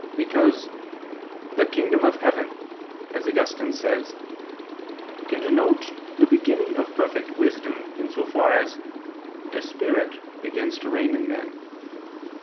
Because the "kingdom of heaven," as Augustine says (loc. cit.), can denote the beginning of perfect wisdom, in so far as "the spirit" begins to reign in men.